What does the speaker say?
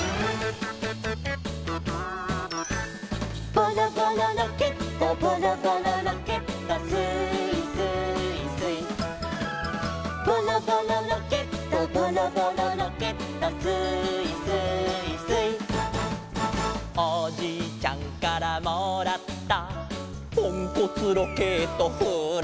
「ボロボロロケットボロボロロケット」「スーイスーイスイ」「ボロボロロケットボロボロロケット」「スーイスーイスイ」「おじいちゃんからもらった」「ポンコツロケットフーラフラ」